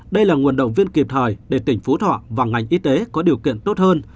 đây là nguồn động viên kịp thời để tỉnh phú thọ và ngành y tế có điều kiện tốt hơn